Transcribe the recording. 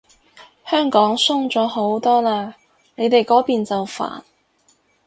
香港鬆咗好多嘞，你哋嗰邊就煩